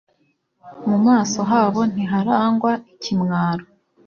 mu maso habo ntiharangwa ikimwaro